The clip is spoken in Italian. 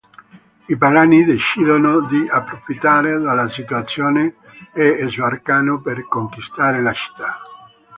I pagani decidono di approfittare della situazione e sbarcano per conquistare la città.